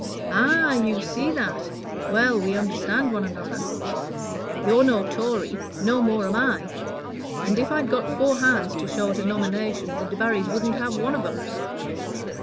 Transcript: "Ah, you see that? Well, we understand one another. You're no Tory; no more am I. And if I'd got four hands to show at a nomination, the Debarrys shouldn't have one of 'em.